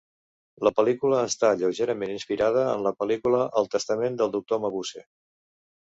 La pel·lícula està lleugerament inspirada en la pel·lícula "El testament del doctor Mabuse".